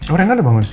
oh rena udah bangun